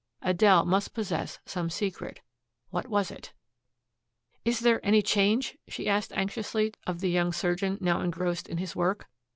Adele must possess some secret. What was it? "Is is there any change?" she asked anxiously of the young surgeon now engrossed in his work.